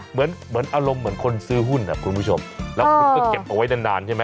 เหมือนอารมณ์เหมือนคนซื้อหุ้นนะคุณผู้ชมแล้วมันก็เก็บเอาไว้ดันใช่มะ